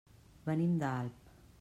Venim d'Alp.